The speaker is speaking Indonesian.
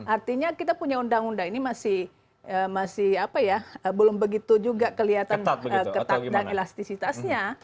artinya kita punya undang undang ini masih belum begitu juga kelihatan ketat dan elastisitasnya